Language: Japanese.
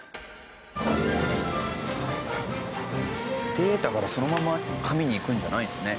データからそのまま紙にいくんじゃないんですね。